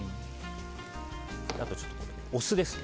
あとはお酢ですね。